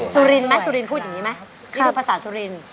สุรินทร์พูดอย่างนี้ไหม